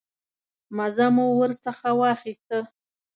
مزه مو ورڅخه واخیسته.